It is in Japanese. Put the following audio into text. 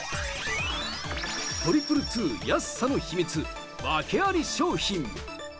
２２２、安さの秘密、訳あり商品。